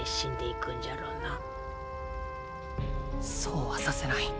そうはさせない。